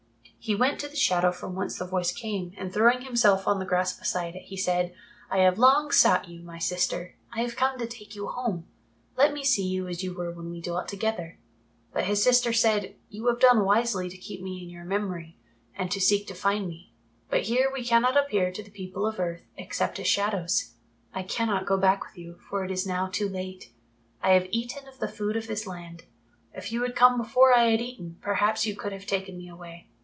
He went to the shadow from which the voice came, and throwing himself on the grass beside it, he said, "I have long sought you, my sister. I have come to take you home. Let me see you as you were when we dwelt together." But his sister said, "You have done wisely to keep me in your memory, and to seek to find me. But here we cannot appear to the people of earth except as shadows. I cannot go back with you, for it is now too late. I have eaten of the food of this land; if you had come before I had eaten, perhaps you could have taken me away.